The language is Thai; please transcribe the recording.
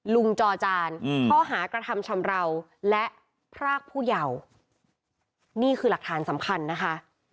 จอจานข้อหากระทำชำราวและพรากผู้เยาว์นี่คือหลักฐานสำคัญนะคะ